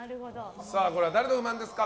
これは誰の不満ですか？